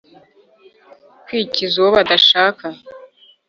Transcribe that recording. kwikiza uwo badashaka.